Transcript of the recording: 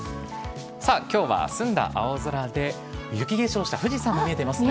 さあ、きょうは澄んだ青空で、雪化粧した富士山も見えていますね。